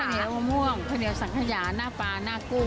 เหนียวมะม่วงข้าวเหนียวสังขยาหน้าปลาหน้ากุ้ง